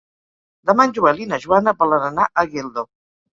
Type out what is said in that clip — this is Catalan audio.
Demà en Joel i na Joana volen anar a Geldo.